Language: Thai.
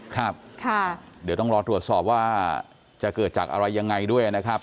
ครับเดี๋ยวต้องรอตรวจสอบว่าจะเกิดจากอะไรยังไงด้วยนะครับ